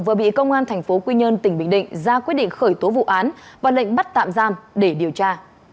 đồng ý công an thành phố quy nhơn tỉnh bình định ra quyết định khởi tố vụ án và lệnh bắt tạm giam để điều tra